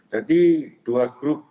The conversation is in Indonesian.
jadi dua grup